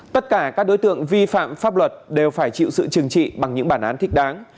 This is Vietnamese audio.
tất cả các đối tượng vi phạm pháp luật đều phải chịu sự trừng trị bằng những bản án thích đáng